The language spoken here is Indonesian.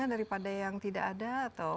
daripada yang tidak ada atau